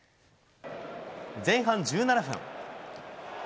前半１７分。